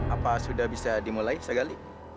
apa sudah bisa dimulai sagali